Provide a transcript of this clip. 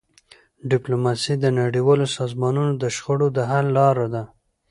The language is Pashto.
ډيپلوماسي د نړیوالو سازمانونو د شخړو د حل لاره ده.